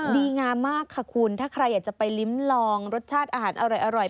ดีงามมากค่ะคุณถ้าใครอยากจะไปลิ้มลองรสชาติอาหารอร่อย